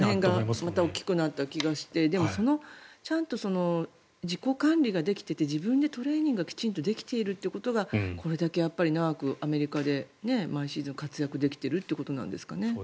また体大きくなった気がしてでも、ちゃんと自己管理ができていて自分でトレーニングがきちんとできているということがこれだけ長くアメリカで毎シーズン活躍できてるってことなんですかね。